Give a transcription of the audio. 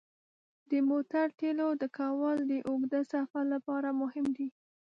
د موټر تیلو ډکول د اوږده سفر لپاره مهم دي.